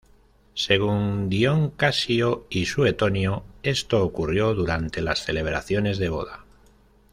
Según Dión Casio y Suetonio, esto ocurrió durante las celebraciones de boda.